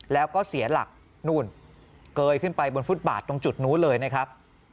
แล้วก็เสียหลักนู่นเกยขึ้นไปบนฟุตบาทตรงจุดนู้นเลยนะครับ